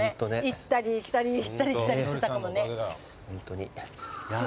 行ったり来たり行ったり来たりしてたかもね。